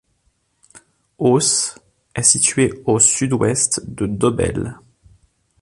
Auce est située à au sud-ouest de Dobele.